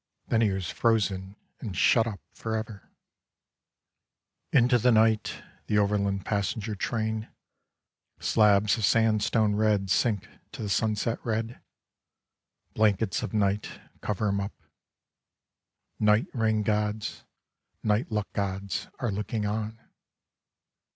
Then he was frozen and shut up forever.) 68 Slabs of the Sunburnt West Into the night the overland passenger train, Slabs of sandstone red sink to the sunset red, Blankets of night cover 'em up. Night rain gods, night luck gods, are looking on.